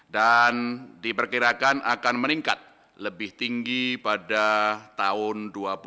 dan diperkirakan akan meningkat lebih tinggi pada tahun dua ribu dua puluh satu